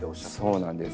そうなんです。